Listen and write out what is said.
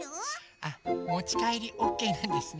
あっもちかえりオッケーなんですね？